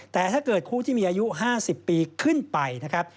แต่ถ้าเกิดคู่ที่มีอายุ๕๐ปีขึ้นไปนะครับ